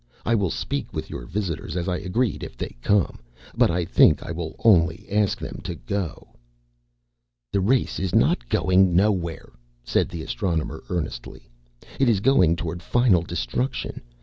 I will speak with your visitors as I agreed, if they come. But I think I will only ask them to go." "The race is not going nowhere," said the Astronomer, earnestly. "It is going toward final destruction.